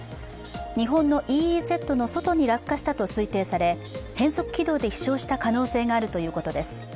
日本のＥＥＺの外に落下したと推定され、変則軌道で飛しょうした可能性があるということです。